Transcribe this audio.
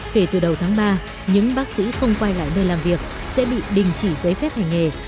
kể từ đầu tháng ba những bác sĩ không quay lại nơi làm việc sẽ bị đình chỉ giấy phép hành nghề